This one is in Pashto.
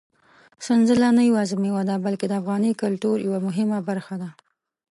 سنځله نه یوازې مېوه ده، بلکې د افغاني کلتور یوه مهمه برخه ده.